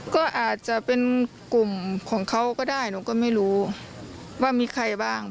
ก็อาจจะเป็นกลุ่มของเขาก็ได้หนูก็ไม่รู้ว่ามีใครบ้าง